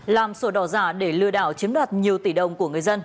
làm sổ đỏ giả để lừa đảo chiếm đoạt nhiều tỷ đồng của người dân